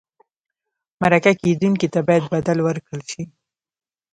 مرکه کېدونکي ته باید بدل ورکړل شي.